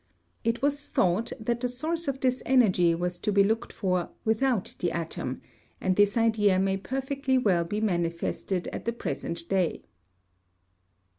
It was thought that the source of this energy was to be looked for without the atom, and this idea may perfectly well he maintained at the present day.